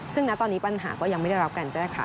ซึ่งณตอนนี้ปัญหาก็ยังไม่ได้รับการแจ้งข่าว